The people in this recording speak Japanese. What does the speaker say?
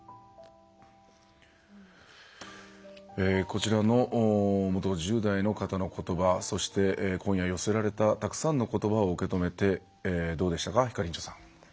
こちらの元１０代の方の言葉そして今夜寄せられたたくさんの言葉を受け止めてどうでしたかひかりんちょさん。